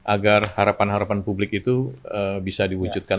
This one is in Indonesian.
agar harapan harapan publik itu bisa terus dikembangkan